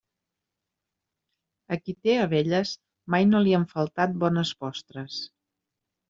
A qui té abelles mai no li han faltat bones postres.